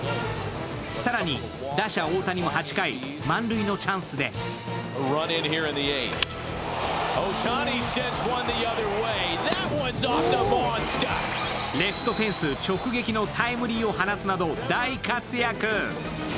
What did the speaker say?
更に打者・大谷も８回、満塁のチャンスでレフトフェンス直撃のタイムリーを放つなど大活躍！